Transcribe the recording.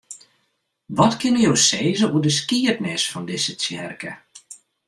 Wat kinne jo sizze oer de skiednis fan dizze tsjerke?